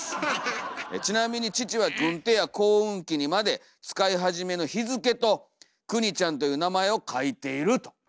「ちなみに父は軍手や耕うん機にまで使い始めの日付と『クニちゃん』という名前を書いている」と。